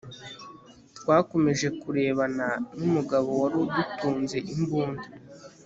twakomeje kurebana numugabo warudutunze imbunda